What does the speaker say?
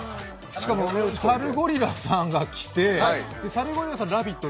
しかもサルゴリラさんが来て、サルゴリラさんは「ラヴィット！」